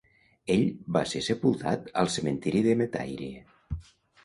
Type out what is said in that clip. Ell va ser sepultat al cementiri de Metairie.